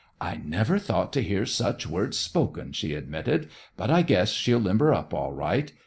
"I never thought to hear such words spoken," she admitted; "but I guess she'll limber up all right.